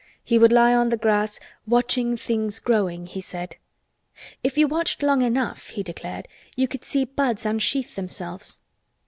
He would lie on the grass "watching things growing," he said. If you watched long enough, he declared, you could see buds unsheath themselves.